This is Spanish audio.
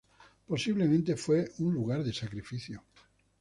Posiblemente fue un lugar de sacrificio.